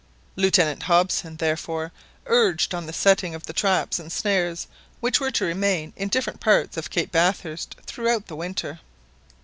Lieutenant Hobson, therefore, urged on the setting of the traps and snares which were to remain in different parts of Cape Bathurst throughout the winter.